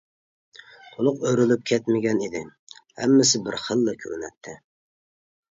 تۇلۇق ئۆرۈلۈپ كەتمىگەن ئىدى، ھەممىسى بىر خىللا كۆرۈنەتتى.